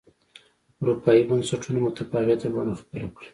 اروپایي بنسټونو متفاوته بڼه خپله کړه